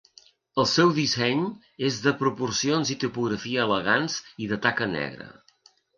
El seu disseny és de proporcions i tipografia elegants i de taca negra.